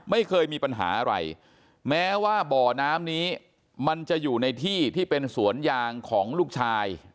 ไม่เคยมีปัญหาอะไรแม้ว่าบ่อน้ำนี้มันจะอยู่ในที่ที่เป็นสวนยางของลูกชาย